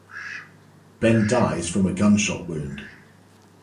Ben dies from a gunshot wound.